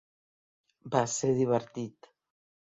Va ser divertit.